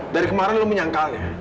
dari kemarin lo menyangkalnya